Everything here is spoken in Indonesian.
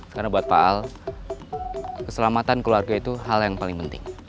karena buat pak al keselamatan keluarga itu hal yang paling penting